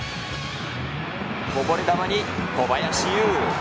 こぼれ球に小林悠。